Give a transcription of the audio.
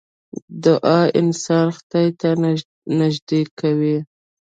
دعا انسان خدای ته نژدې کوي .